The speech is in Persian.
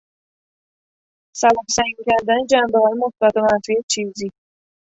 سبک و سنگین کردن جنبههای مثبت و منفی چیزی